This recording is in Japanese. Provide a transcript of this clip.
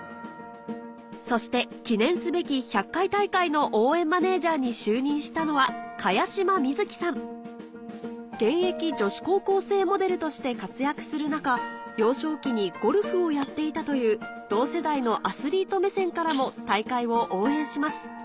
そして記念すべき１００回大会の応援マネージャーに就任したのは茅島みずきさん現役女子高校生モデルとして活躍する中幼少期にゴルフをやっていたという同世代のアスリート目線からも大会を応援します